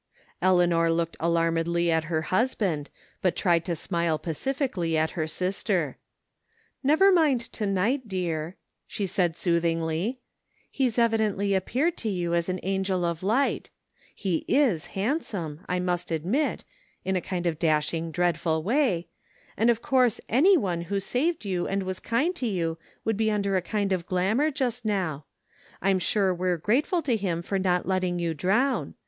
Eleanor looked alarmedly at her husband, but tried to smile pacifically at her sister. " Never mind to night, dear," she said soothingly, " he's evidently ap peared to you as an angel of light He is handsome, I must admit — in a kind of a dashing, dreadful way — and of course any one who saved you and was kind to you would be under a kind of glamour just now. I'm sure we're grateful to him for not letting you drown.